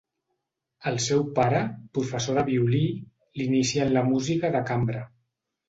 El seu pare, professor de violí, l'inicià en la música de cambra.